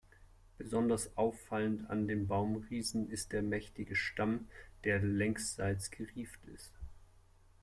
Besonders auffallend an dem Baumriesen ist der mächtige Stamm, der längsseits gerieft ist.